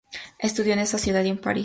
Estudió en esta ciudad y en París.